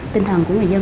tinh thần của người dân